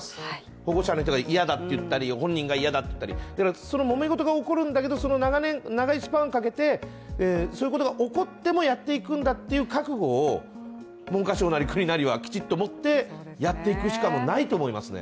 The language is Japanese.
保護者の人が嫌だと言ったり本人が嫌だと言ったりだからそのもめ事が起こるんだけど長いスパンかけてそういうことが起こってもやっていくんだという覚悟を文科省なり国なりはもってやっていくしかないと思いますね。